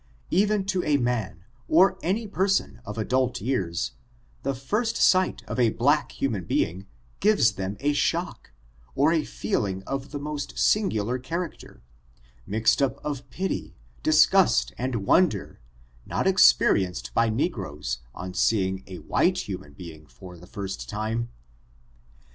Even to a man, or any person of adult years, the first sight of a black human being, gives them a shock, or a feeling of the most singular character, mixed up of pity, disgust and wonder, not experienced by negroes, on seeing a wliite human be ing for the first time.